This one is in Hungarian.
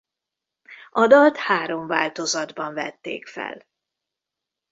A dalt három változatban vették fel.